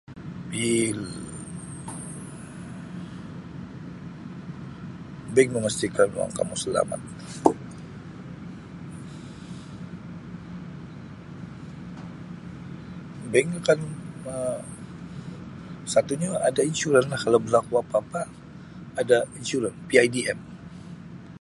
Bank-bank memastikan yang kamu selamat bank akan Um satunya ada insurans lah kalau berlaku apa-apa ada insurans, PIDM.